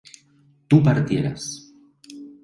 tú partieras